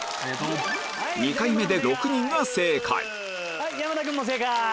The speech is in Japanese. ２回目で６人が正解山田君も正解。